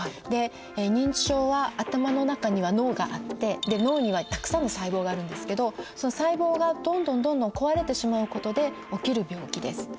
認知症は頭の中には脳があって脳にはたくさんの細胞があるんですけどその細胞がどんどんどんどん壊れてしまうことで起きる病気です。